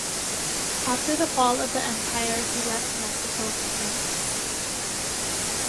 After the fall of the Empire he left Mexico for France.